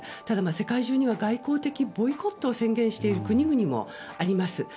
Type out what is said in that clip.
ただ、世界中には外交的ボイコットを宣言している国々もあります。